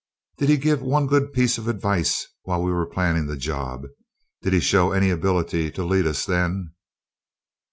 Did he give one good piece of advice while we were plannin' the job? Did he show any ability to lead us, then?"